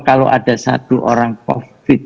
kalau ada satu orang covid